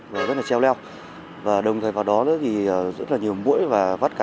và rất là treo leo và đồng thời vào đó thì rất là nhiều mũi và vắt cắn